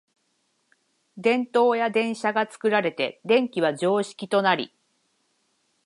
電燈や電車が作られて電気は常識となり、